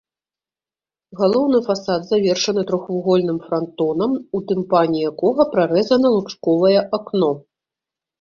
Галоўны фасад завершаны трохвугольным франтонам, у тымпане якога прарэзана лучковае акно.